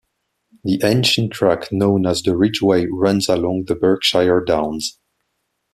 The ancient track known as the Ridgeway runs along the Berkshire Downs.